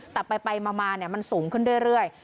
แต่ไปมามันสูงขึ้นเรื่อย